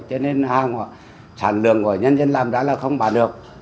cho nên sản lượng của nhân dân làm đã là không bán được